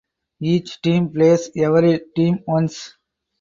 Each team plays every team once.